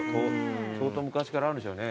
相当昔からあるんでしょうね。